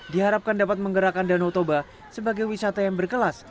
diharapkan dapat menggerakkan danau toba sebagai wisata yang berkelas